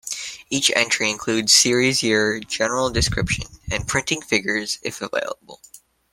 Each entry includes: series year, general description, and printing figures if available.